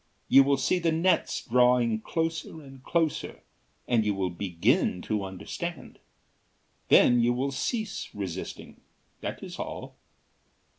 You will see the nets drawing closer and closer, and you will begin to understand. Then you will cease resisting, that is all."